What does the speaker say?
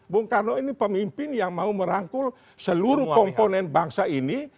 bung karno ini pemimpin yang mau merangkul seluruh komponen bangsa ini